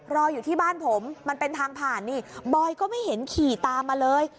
รออยู่ที่บ้านผมมันเป็นทางผ่านนี่บอยก็ไม่เห็นขี่ตามมาเลย